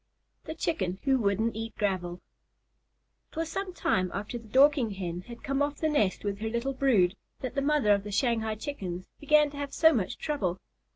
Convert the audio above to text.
THE CHICKEN WHO WOULDN'T EAT GRAVEL It was some time after the Dorking Hen had come off the nest with her little brood, that the mother of the Shanghai Chickens began to have so much trouble.